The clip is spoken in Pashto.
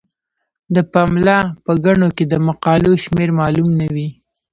د پملا په ګڼو کې د مقالو شمیر معلوم نه وي.